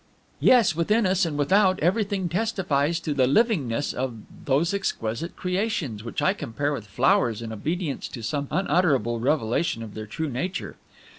"Yes, within us and without, everything testifies to the livingness of those exquisite creations, which I compare with flowers in obedience to some unutterable revelation of their true nature!